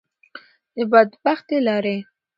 د بدبختی لارې.